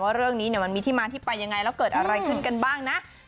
ว่าเรื่องนี้มันมีที่มาที่ไปยังไงแล้วเกิดอะไรขึ้นกันบ้างนะ